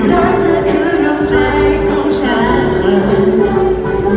ที่รักเธอคือหลังใจของฉัน